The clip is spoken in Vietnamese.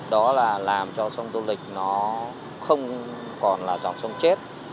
đó là làm cho sông tô lịch nó không còn là dòng sông chết